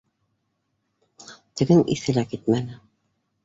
Тегенең иҫе лә китмәне: